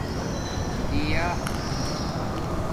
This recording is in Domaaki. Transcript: دِیہ